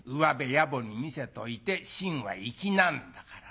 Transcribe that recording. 野暮に見せといて芯は粋なんだからね。